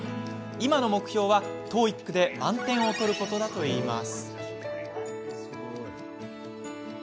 今の目標は、ＴＯＥＩＣで満点を取ることだといいます。